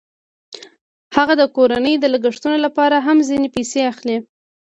هغه د کورنۍ د لګښتونو لپاره هم ځینې پیسې اخلي